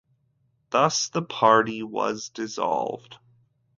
Thus the party was dissolved.